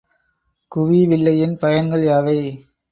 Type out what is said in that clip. குவிவில்லையின் பயன்கள் யாவை?